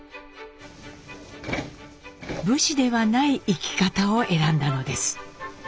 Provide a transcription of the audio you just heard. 武士ではない生き方を選んだのです。